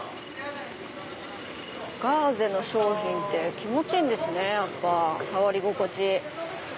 ガーゼの商品って気持ちいいんですね触り心地。